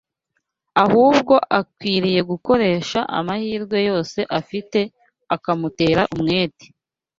ahubwo akwiriye gukoresha amahirwe yose afite akamutera umwete